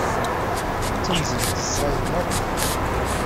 D tamzelt ẓẓayen maḍi.